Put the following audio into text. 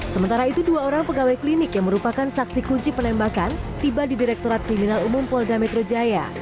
sementara itu dua orang pegawai klinik yang merupakan saksi kunci penembakan tiba di direktorat kriminal umum polda metro jaya